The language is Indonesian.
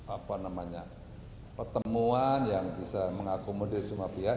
apa namanya pertemuan yang bisa mengakomodir semua pihak